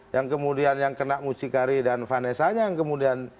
yang kemudian yang kena mucikari dan vanessanya yang kemudian